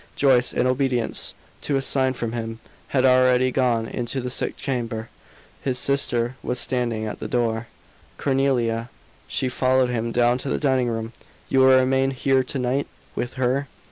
Joyce, in obedience to a sign from him, had already gone into the sick chamber: his sister was standing at the door. "Cornelia." She followed him down to the dining room. "You will remain here to night? With her?"